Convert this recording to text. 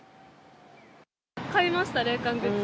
買いました、冷感グッズ。